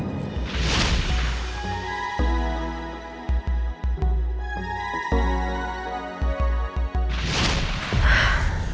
tentang putri untuk pangeran